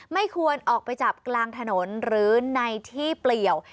ไม่ควรออกไปจับกลางถนนหรือในที่เปลี่ยว